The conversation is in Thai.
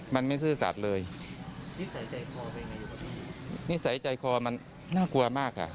มันไม่ซื่อสัตว์เลยนี่ใส่ใจคอมันน่ากลัวมากค่ะ